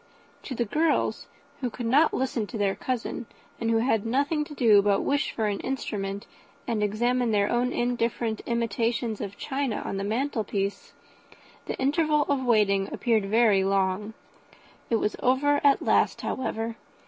To the girls, who could not listen to their cousin, and who had nothing to do but to wish for an instrument, and examine their own indifferent imitations of china on the mantel piece, the interval of waiting appeared very long. It was over at last, however.